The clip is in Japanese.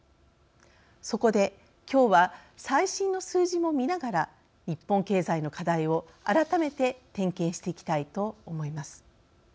そこで今日は最新の数字も見ながら日本経済の課題を改めて点検していきたいと思います。